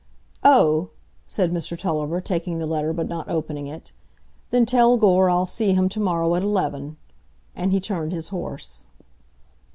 "Oh!" said Mr Tulliver, taking the letter, but not opening it. "Then tell Gore I'll see him to morrow at eleven"; and he turned his horse.